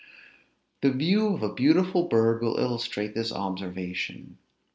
The view of a beautiful bird will illustrate this observation.